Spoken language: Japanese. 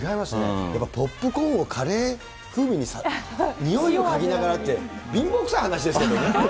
やっぱりポップコーンをカレー風味に、匂いを嗅ぎながらって、貧乏くさい話ですけどね。